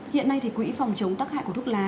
hiện nay quỹ phòng chống tác hại của thuốc lá